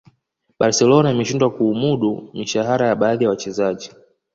barcelona imeshindwa kuumudu mishahara ya baadhi ya wachezaji